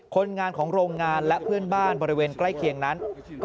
คนงานของโรงงานและเพื่อนบ้านบริเวณใกล้เคียงนั้น